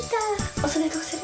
おそでどうする？